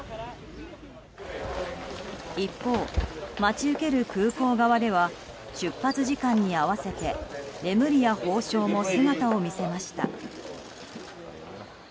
一方、待ち受ける空港側では出発時間に合わせてレムリヤ法相も姿を見せました。